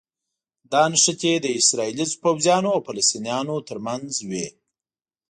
دا نښتې د اسراییلي پوځیانو او فلسطینیانو ترمنځ وي.